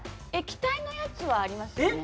液体のやつはありますよ。